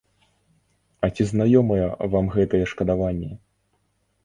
А ці знаёмыя вам гэтыя шкадаванні?